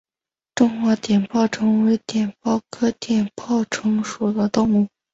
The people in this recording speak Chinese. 中华碘泡虫为碘泡科碘泡虫属的动物。